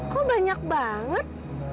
kok banyak banget